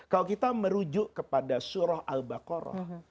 kalau kita merujuk kepada surah al baqarah